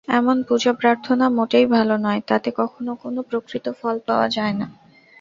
এমন পূজা-প্রার্থনা মোটেই ভাল নয়, তাতে কখনও কোন প্রকৃত ফল পাওয়া যায় না।